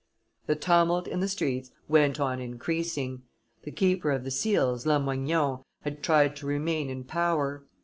The tumult in the streets went on increasing; the keeper of the seals, Lamoignon, had tried to remain in power.